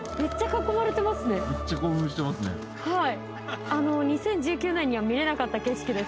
はい。